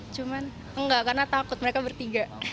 cuman enggak karena takut mereka bertiga